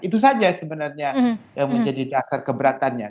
itu saja sebenarnya yang menjadi dasar keberatannya